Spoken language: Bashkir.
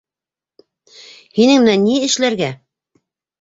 Һинең менән ни эшләргә?